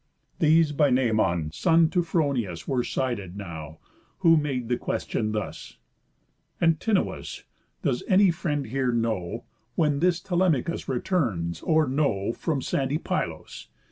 These by Noëmon, son to Phronius, Were sided now, who made the question thus: "Antinous! Does any friend here know, When this Telemachus returns, or no, From sandy Pylos?